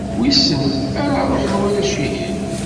Wissen ara ṛuḥen warrac-ihin.